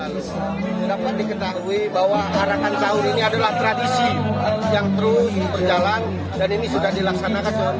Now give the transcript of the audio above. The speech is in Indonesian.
dapat diketahui bahwa arakan tahun ini adalah tradisi yang terus berjalan dan ini sudah dilaksanakan